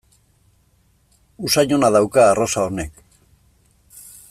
Usain ona dauka arrosa honek.